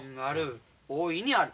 大いにある。